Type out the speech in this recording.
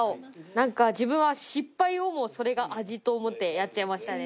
何か自分は失敗をもそれが味と思ってやっちゃいましたね。